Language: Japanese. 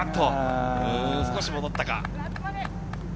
少し戻ったか？